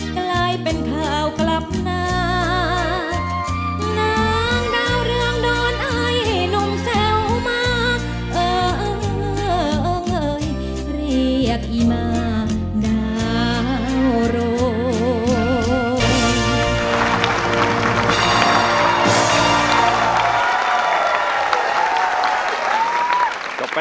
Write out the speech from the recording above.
กลายเป็นขาวกลับหน้า